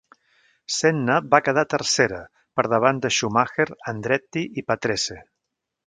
Senna va quedar tercera per davant de Schumacher, Andretti i Patrese.